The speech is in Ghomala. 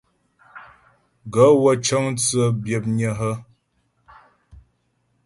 Gaə̂ wə́ cə́ŋ tsə́ byə̌pnƴə́ hə́ ?